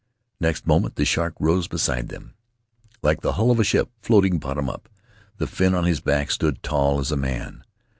Next moment the shark rose beside them, like the hull of a ship floating bottom up; the fin on his back stood tall as a man.